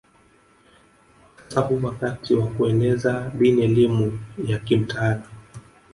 Sasa huu wakati wa kueneza dini elimu ya kimtaala